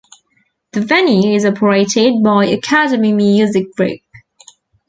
The venue is operated by Academy Music Group.